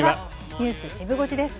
ニュースシブ５時です。